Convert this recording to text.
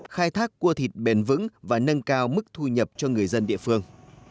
khai thác cua thịt bền vững và nâng cao mức thu nhập cho người dân địa phương